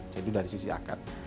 jadi dari sisi akad